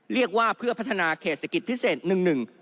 เรียกว่าเพื่อพัฒนาเขตเศรษฐกิจพิเศษหนึ่งหนึ่ง